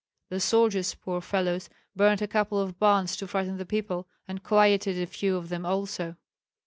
The soldiers, poor fellows, burned a couple of barns to frighten the people, and quieted a few of them also."